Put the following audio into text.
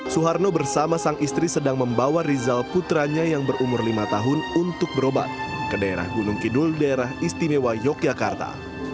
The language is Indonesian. suharno bersama sang istri sedang membawa rizal putranya yang berumur lima tahun untuk berobat ke daerah gunung kidul daerah istimewa yogyakarta